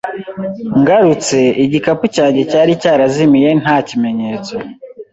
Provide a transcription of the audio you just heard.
Ngarutse, igikapu cyanjye cyari cyarazimiye nta kimenyetso.